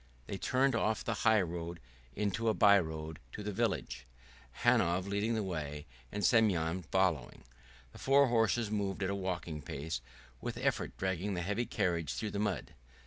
They turned off the highroad into a by road to the village, Hanov leading the way and Semyon following. The four horses moved at a walking pace, with effort dragging the heavy carriage through the mud.